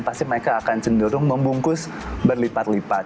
pasti mereka akan cenderung membungkus berlipat lipat